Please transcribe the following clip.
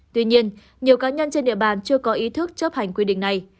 tuy nhiên nhiều cá nhân trên địa bàn chưa có ý thức chấp hành quy định này